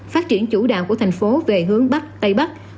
phát triển chủ đạo của thành phố về hướng bắc tây bắc